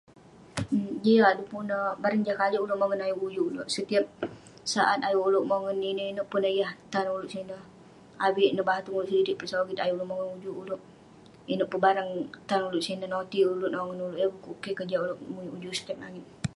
Jiak dukuk ne bareng jah kalik uleuk mongen ayuk ujuk uleuk, setiap saat ayuk uleuk mongen ineuk-ineuk peh ne yah tan uleuk sineh avik neh batung uleuk sedirik peh sogit ayuk uleuk mongen ujuk uleuk. Ineuk pe barang tan uleuk sineh notik uleuk nongen uleuk, yah pukuk keh ke jiak uleuk muwik ujuk setiap langit.